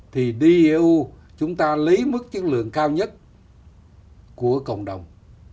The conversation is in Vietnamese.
thì đi eu chúng ta lấy mức chất lượng cao nhất của cộng đồng